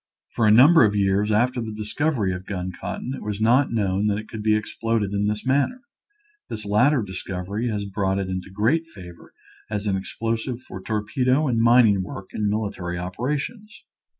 For a number of years after the discovery of gun cotton it was not known that it could be exploded in this manner. This latter discovery has brought it into great favor as an explosive for torpedo and mining work in military operations.